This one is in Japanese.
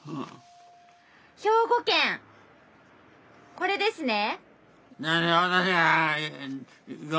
兵庫県これですね。